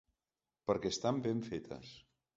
Perquè estan ben fetes.